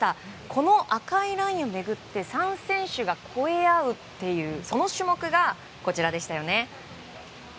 この赤いラインを巡って３選手が超え合うっていうその種目がこちらでしたよね。